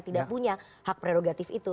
tidak punya hak prerogatif itu